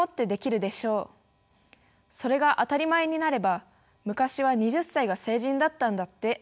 それが当たり前になれば「昔は２０歳が成人だったんだって」。